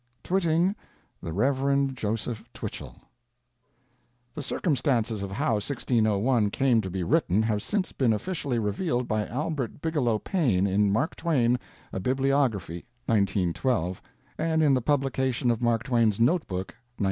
TWITTING THE REV. JOSEPH TWICHELL The circumstances of how 1601 came to be written have since been officially revealed by Albert Bigelow Paine in 'Mark Twain, A Bibliography' (1912), and in the publication of Mark Twain's Notebook (1935).